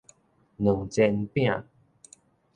卵煎餅